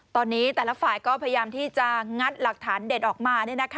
ตอนนี้แต่ละฝ่ายก็พยายามที่จะงัดหลักฐานเด็ดออกมา